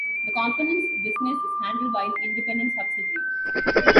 The components business is handled by an independent subsidiary.